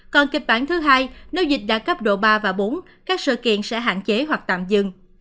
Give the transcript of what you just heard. còn kịch bản thứ hai nếu dịch đạt cấp độ ba và bốn các sự kiện sẽ hạn chế hoặc tạm dừng